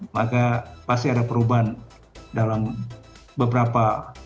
maka pasti ada perubahan dalam beberapa pekan bulan tahun ke depan